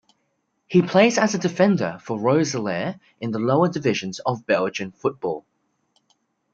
He plays as a defender for Roeselare in the lower divisions of Belgian football.